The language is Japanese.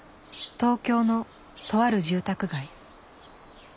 東京のとある住宅街。